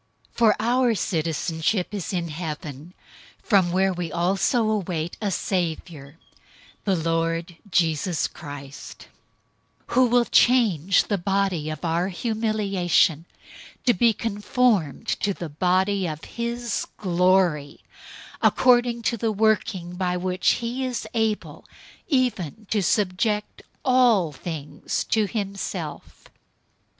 003:020 For our citizenship is in heaven, from where we also wait for a Savior, the Lord Jesus Christ; 003:021 who will change the body of our humiliation to be conformed to the body of his glory, according to the working by which he is able even to subject all things to himself.